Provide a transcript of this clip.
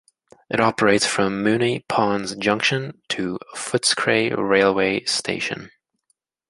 It operates from Moonee Ponds Junction to Footscray railway station.